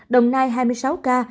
đồng nai hai mươi sáu ca